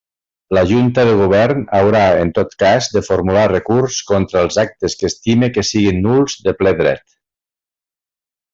La Junta de Govern haurà, en tot cas, de formular recurs contra els actes que estime que siguen nuls de ple dret.